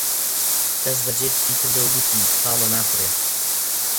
دەسبەجێ تفی کردەوە و گوتی: تاڵە، ناخورێ